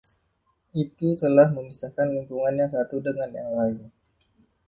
Itu telah memisahkan lingkungan yang satu dengan yang lain.